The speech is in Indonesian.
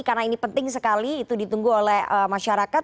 karena ini penting sekali itu ditunggu oleh masyarakat